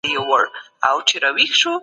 لیکوالانو ته ښايي چي د نورو اثار پټ نه کړي.